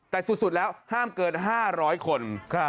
แต่สุดแล้วห้ามเกิน๕๐๐คน